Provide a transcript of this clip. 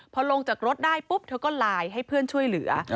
พอลงจากรถได้ปุ๊บเธอก็ไลน์ให้เพื่อนช่วยเหลือ